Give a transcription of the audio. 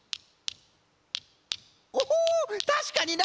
おおたしかにな！